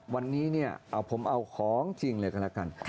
วันนี้เนี่ยเอาผมเอาของจริงเลยก็แล้วกัน